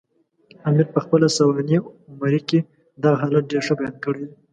امیر پخپله سوانح عمري کې دغه حالت ډېر ښه بیان کړی دی.